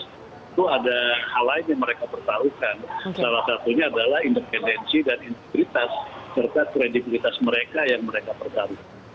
itu ada hal lain yang mereka pertahukan salah satunya adalah independensi dan integritas serta kredibilitas mereka yang mereka pertarung